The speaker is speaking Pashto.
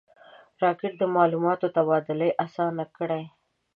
راکټ د معلوماتو تبادله آسانه کړې